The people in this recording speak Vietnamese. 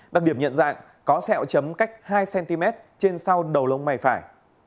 đặc điểm nhận dạng có sẹo chấm cách hai cm trên sau đầu lông mày phải